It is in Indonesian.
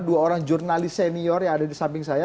dua orang jurnalis senior yang ada di samping saya